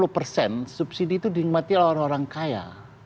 lima puluh persen subsidi itu dinikmati oleh orang orang kaya